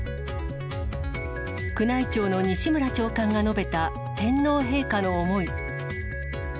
宮内庁の西村長官が述べた天皇陛下の思い。